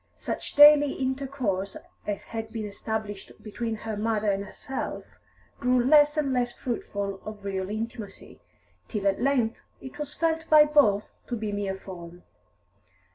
Such daily intercourse as had been established between her mother and herself grew less and less fruitful of real intimacy, till at length it was felt by both to be mere form.